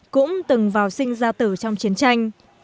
cũng từng vào sinh ra tử trong chiến tranh